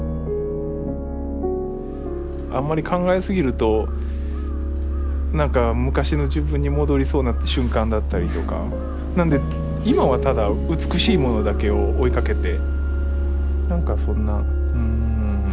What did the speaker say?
あんまり考え過ぎると何か昔の自分に戻りそうな瞬間だったりとかなんで今はただ美しいものだけを追いかけて何かそんなうん。